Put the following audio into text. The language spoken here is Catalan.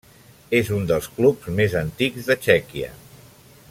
És un dels clubs més antics de Txèquia.